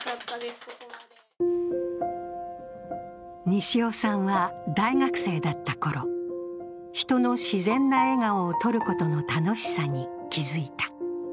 西尾さんは大学生だったころ、人の自然な笑顔を撮ることの楽しさに気付いた。